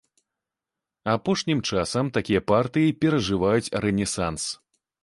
Апошнім часам такія партыі перажываюць рэнесанс.